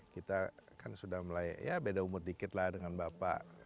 kita kan sudah mulai ya beda umur dikit lah dengan bapak